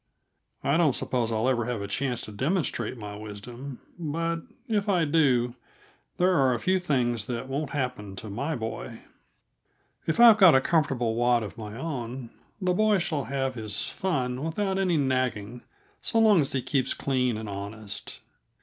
I don't suppose I'll ever have a chance to demonstrate my wisdom, but, if I do, there are a few things that won't happen to my boy. If I've got a comfortable wad of my own, the boy shall have his fun without any nagging, so long as he keeps clean and honest.